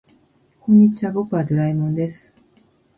こんにちは、僕はドラえもんです。